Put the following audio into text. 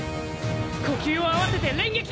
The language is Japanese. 呼吸を合わせて連撃だ！